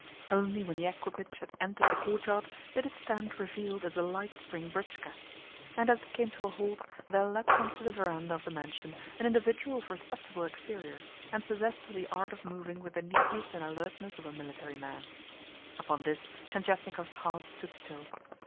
Only when the equipage had entered the courtyard did it stand revealed as a light spring britchka. And as it came to a halt, there leapt on to the verandah of the mansion an individual of respectable exterior, and possessed of the art of moving with the neatness and alertness of a military man. Upon this Tientietnikov's heart stood still.